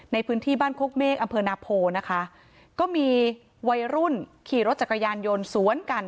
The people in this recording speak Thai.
ในพื้นที่บ้านโคกเมฆอำเภอนาโพนะคะก็มีวัยรุ่นขี่รถจักรยานยนต์สวนกัน